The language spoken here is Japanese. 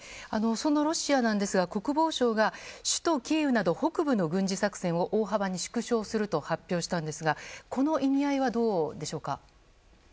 そのロシアですが国防相が首都キーウなど北部の軍事作戦を大幅に縮小すると発表したんですがこの意味合いはどうでしょうか。